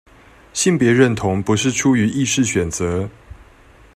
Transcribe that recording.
性別認同不是出於意識選擇